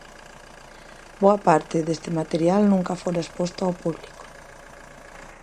Boa parte deste material nunca fora exposto ao público.